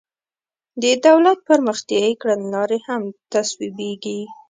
د دولت پرمختیایي کړنلارې هم تصویبیږي.